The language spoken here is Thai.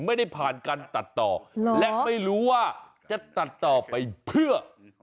ไม่ได้ผ่านการตัดต่อและไม่รู้ว่าจะตัดต่อไปเพื่อ